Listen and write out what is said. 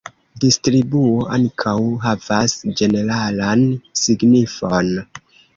Distribuo ankaŭ havas ĝeneralan signifon.